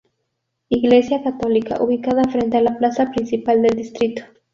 Iglesia Católica, ubicada frente a la Plaza Principal del Distrito.